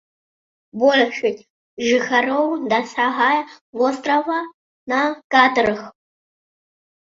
Большасць жыхароў дасягае вострава на катарах.